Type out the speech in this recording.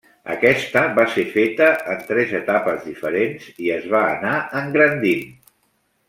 Aquesta va ser feta en tres etapes diferents i es va anar engrandint.